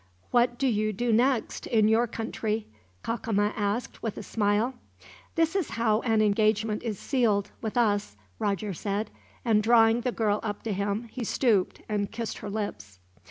"What do you do next, in your country?" Cacama asked, with a smile. "This is how an engagement is sealed, with us," Roger said; and drawing the girl up to him, he stooped and kissed her lips.